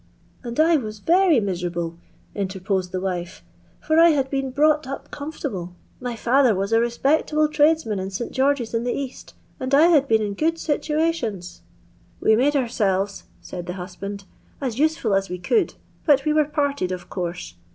[ And I was very miserable," interposed the wife, "for I had been brought up comfortable; my &ther waa a respectable tradesman in St. GeorgeV in the Saat^ and I bad been in good situationa."] "We made ouraelves," said the husband, "as usefiil aa we could, but we were parted of concse.